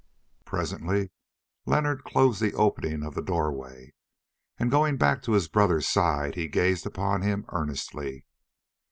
Presently Leonard closed the opening of the doorway, and going back to his brother's side he gazed upon him earnestly.